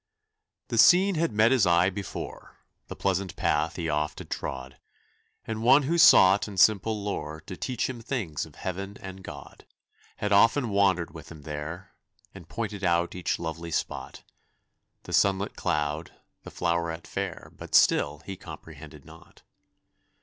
The scene had met his eye before; The pleasant path he oft had trod; And one who sought in simple lore To teach him things of heaven and God Had often wandered with him there, And pointed out each lovely spot, The sunlit cloud the floweret fair But still he comprehended not.